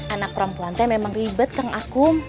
anak perempuannya memang ribet kang akum